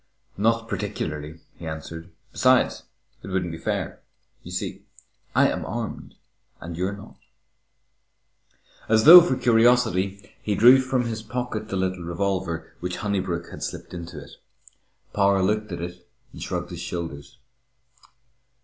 "Not particularly," he answered. "Besides, it wouldn't be fair. You see, I am armed, and you're not." As though for curiosity, he drew from his pocket the little revolver which Honeybrook had slipped into it. Power looked at it and shrugged his shoulders.